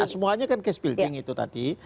semuanya kan case building itu tadi